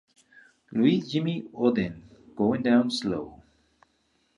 Louis Jimmy Oden, "Goin 'Down Slow".